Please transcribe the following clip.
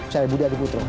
saya budi adikutro